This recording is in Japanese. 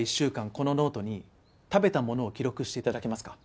このノートに食べたものを記録して頂けますか？